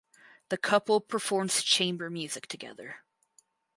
The couple performs chamber music together.